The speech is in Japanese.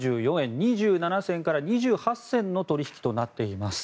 １３４円２７銭から２８銭の取引となっています。